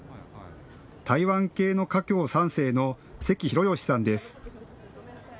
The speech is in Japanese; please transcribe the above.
台湾系の華僑３世の関廣佳さんです。